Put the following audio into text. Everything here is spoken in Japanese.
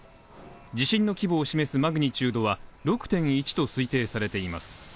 地震の規模を示すマグニチュードは６．１と推定されています。